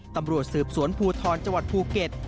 ตำรวจสืบสวนภูทรจภูเก็ต